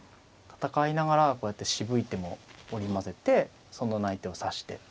戦いながらこうやって渋い手も織り交ぜて損のない手を指して。